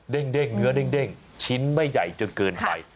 เด้งเนื้อเด้งชิ้นไม่ใหญ่จนเกินไป